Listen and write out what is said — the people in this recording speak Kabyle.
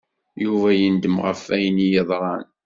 Yuba yendem ɣef wayen i yeḍran.